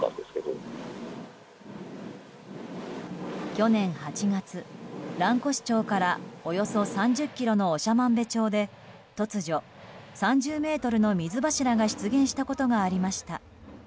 去年８月、蘭越町からおよそ３０ｋｍの長万部町で突如、３０ｍの水柱が出現したことがありました。